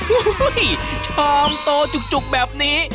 โอ้โหชามโตจุกแบบนี้